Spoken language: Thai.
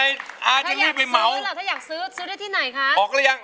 ถ้าอยากซื้อซื้อได้ที่ไหนครับ